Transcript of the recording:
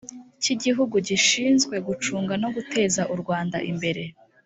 cy Igihugu gishinzwe gucunga no guteza u Rwanda imbere